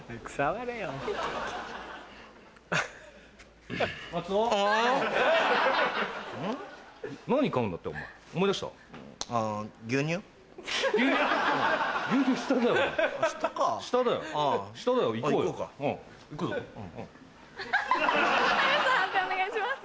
判定お願いします。